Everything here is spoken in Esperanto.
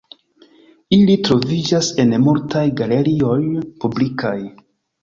Ili troviĝas en multaj galerioj publikaj.